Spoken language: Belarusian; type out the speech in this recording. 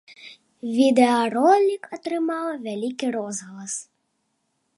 Відэаролік атрымаў вялікі розгалас.